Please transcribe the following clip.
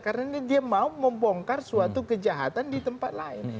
karena dia mau membongkar suatu kejahatan di tempat lain